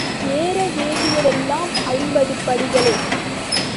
ஏற வேண்டியதெல்லாம் ஐம்பது படிகளே.